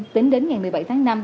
tính đến ngày một mươi bảy tháng năm